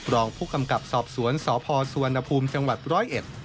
รองผู้กำกับสอบสวนสพสุวรรณภูมิจังหวัดร้อยเอ็ด